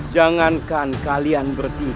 jangankan kalian bertiga